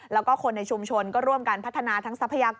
แล้วก็คนในชุมชนก็ร่วมกันพัฒนาทั้งทรัพยากร